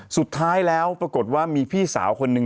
สุดท้ายแล้วปรากฏว่ามีพี่สาวคนหนึ่ง